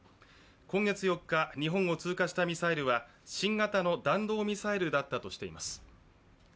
今月４日日本を通過したミサイルは新型の弾道ミサイルだったとしています。